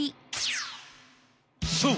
そう！